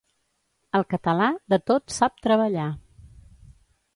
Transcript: El català de tot sap treballar.